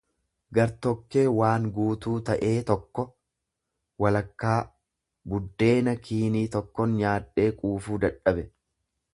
gar tokkee waan guutuu ta'ee tokko, walakkaa; Buddeena kiinii tokkon nyaadhee quufuu dadhabe.